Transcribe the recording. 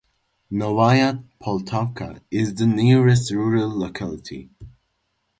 Novaya Poltavka is the nearest rural locality.